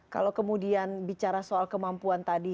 kalau kemudian bicara soal kemampuan tadi